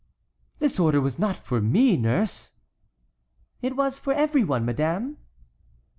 "This order was not for me, nurse." "It was for every one, madame."